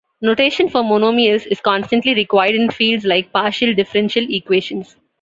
Notation for monomials is constantly required in fields like partial differential equations.